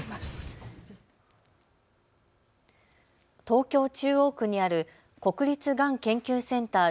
東京中央区にある国立がん研究センター